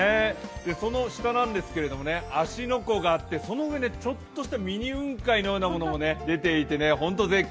その下なんですが、芦ノ湖があって、その上にちょっとしたミニ雲海のようなものも出ていて本当絶景。